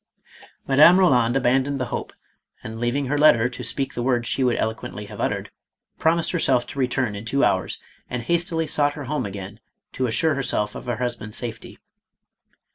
Madame Eoland abandoned the hope, and leaving her letter to speak the words she would eloquently have uttered, promised herself to return in two hours, and hastily sought her home again to assure herself of her husband's safety.